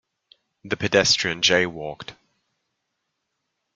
The pedestrian jaywalked.